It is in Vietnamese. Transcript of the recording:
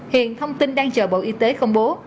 hiện thông tin đang chờ bộ y tế công bố